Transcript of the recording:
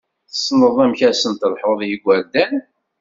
Tessneḍ amek ad sen-telḥuḍ i yigurdan!